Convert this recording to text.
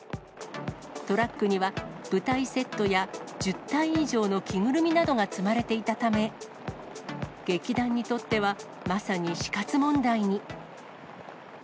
トラックには、舞台セットや１０体以上の着ぐるみなどが積まれていたため、劇団にとっては、まさに死活問題に。